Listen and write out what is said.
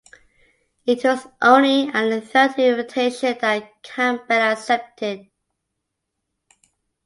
It was only at the third invitation that Campbell accepted.